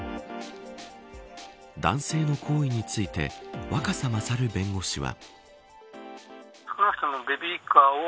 男性の行為について若狭勝弁護士は。